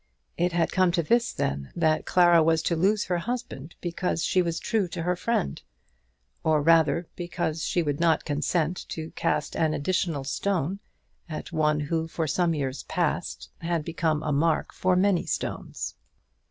It had come to this then, that Clara was to lose her husband because she was true to her friend; or rather because she would not consent to cast an additional stone at one who for some years past had become a mark for many stones.